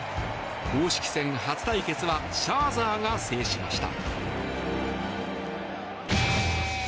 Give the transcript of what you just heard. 公式戦初対決はシャーザーが制しました。